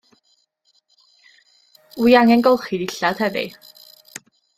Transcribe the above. Wi angen golchi dillad heddi.